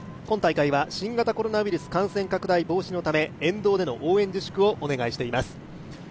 今大会は新型コロナウイルス感染拡大防止のため沿道での応援自粛をお願いしております。